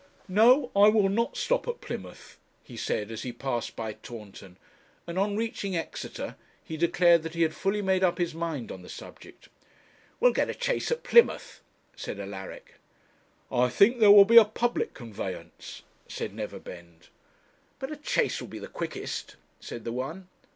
'No, I will not stop at Plymouth,' he said, as he passed by Taunton; and on reaching Exeter he declared that he had fully made up his mind on the subject. 'We'll get a chaise at Plymouth,' said Alaric. 'I think there will be a public conveyance,' said Neverbend. 'But a chaise will be the quickest,' said the one.